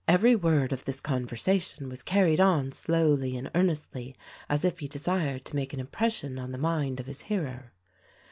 Every word of this conversation was carried on slowly and earnestly as if he desired to make an impression on the mind of his hearer.